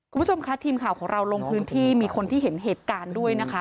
คุณผู้ชมค่ะทีมข่าวของเราลงพื้นที่มีคนที่เห็นเหตุการณ์ด้วยนะคะ